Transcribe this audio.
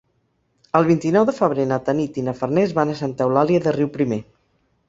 El vint-i-nou de febrer na Tanit i na Farners van a Santa Eulàlia de Riuprimer.